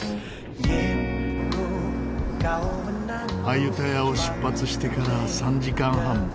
アユタヤを出発してから３時間半。